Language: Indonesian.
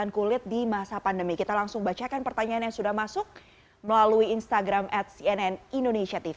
kita langsung bacakan pertanyaan yang sudah masuk melalui instagram at cnn indonesia tv